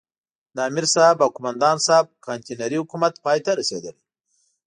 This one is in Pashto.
د امرصاحب او قوماندان صاحب کانتينري حکومت پای ته رسېدلی.